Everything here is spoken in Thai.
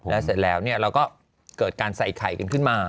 แล้วเสร็จแล้วเราก็เกิดการใส่ไข่กันขึ้นมา